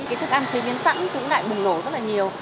cái thức ăn chế biến sẵn cũng lại bùng nổ rất là nhiều